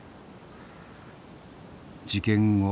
事件後